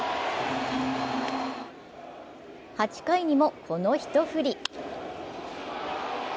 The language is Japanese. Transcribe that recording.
８回にも、この１振り。